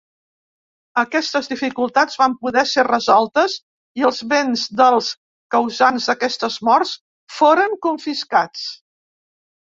Aquestes dificultats van poder ser resoltes i els béns dels causants d’aquestes morts foren confiscats.